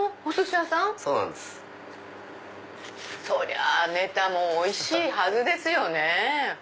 そりゃあネタもおいしいはずですよね。